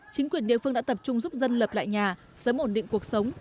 chính quyền địa phương đã tập trung giúp dân lập lại nhà sớm ổn định cuộc sống